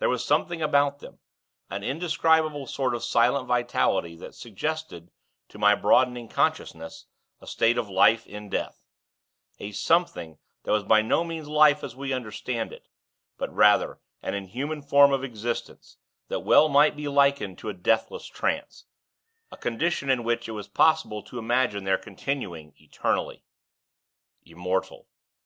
There was something about them, an indescribable sort of silent vitality that suggested, to my broadening consciousness, a state of life in death a something that was by no means life, as we understand it; but rather an inhuman form of existence, that well might be likened to a deathless trance a condition in which it was possible to imagine their continuing, eternally. 'Immortal!'